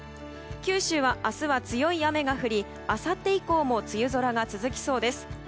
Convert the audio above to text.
九州は明日は強い雨が降りあさって以降も梅雨空が続きそうです。